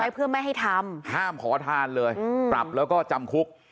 เพื่อไม่ให้ทำห้ามขอทานเลยปรับแล้วก็จำคุก